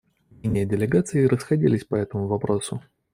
Мнения делегаций расходились и по этому вопросу.